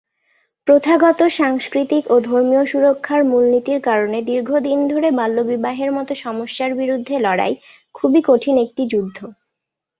প্রথাগত, সাংস্কৃতিক ও ধর্মীয় সুরক্ষার মূলনীতির কারণে দীর্ঘদিন ধরে বাল্যবিবাহের মত সমস্যার বিরুদ্ধে লড়াই খুবই কঠিন একটি যুদ্ধ।